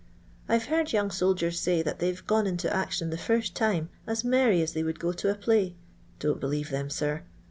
I 've heard young soldien say that they've gone into action the fint time as merry as they would go to a play. Don't believe them, sir.